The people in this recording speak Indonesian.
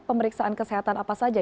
pemeriksaan kesehatan apa saja